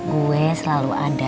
gue selalu ada